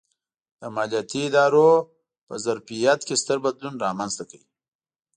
د مالیاتي ادارو په ظرفیت کې ستر بدلون رامنځته کړ.